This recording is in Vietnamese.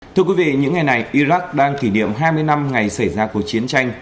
thưa quý vị những ngày này iraq đang kỷ niệm hai mươi năm ngày xảy ra cuộc chiến tranh